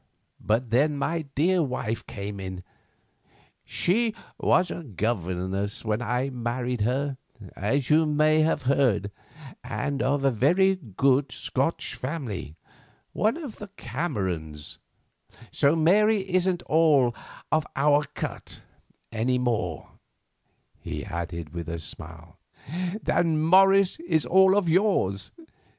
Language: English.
But then my dear wife came in. She was a governess when I married her, as you may have heard, and of a very good Scotch family, one of the Camerons, so Mary isn't all of our cut—any more," he added with a smile, "than Morris is all of yours.